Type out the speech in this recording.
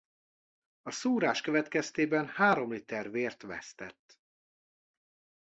A szúrás következtében három liter vért vesztett.